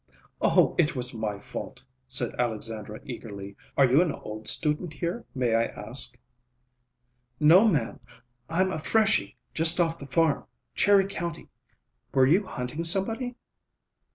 "Oh, it was my fault!" said Alexandra eagerly. "Are you an old student here, may I ask?" "No, ma'am. I'm a Freshie, just off the farm. Cherry County. Were you hunting somebody?"